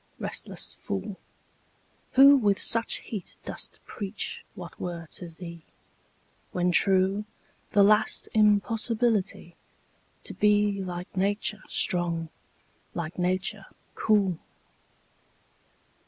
Restless fool, Who with such heat dost preach what were to thee, When true, the last impossibility To be like Nature strong, like Nature cool!